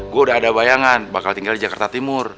gue udah ada bayangan bakal tinggal di jakarta timur